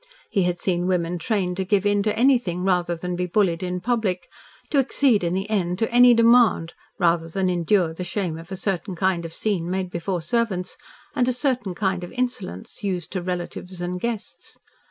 He had seen women trained to give in to anything rather than be bullied in public, to accede in the end to any demand rather than endure the shame of a certain kind of scene made before servants, and a certain kind of insolence used to relatives and guests.